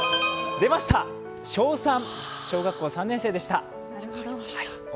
出ました、小３、小学校３年生でした。